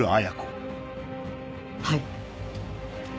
はい。